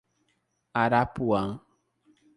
Arapuã